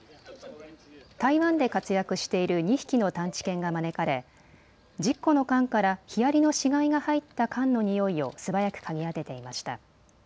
台湾で活躍している２匹の探知犬が招かれ１０個の缶からヒアリの死骸が入った缶のにおいを素早く嗅ぎ当てていました。